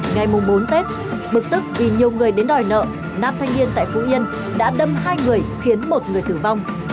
ngày bốn tết bực tức vì nhiều người đến đòi nợ nam thanh niên tại phú yên đã đâm hai người khiến một người tử vong